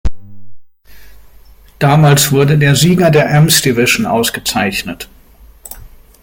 Damals wurde der Sieger der "Emms Division" ausgezeichnet.